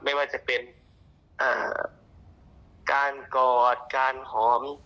ไม่ว่าจะเป็นการกอดการหอม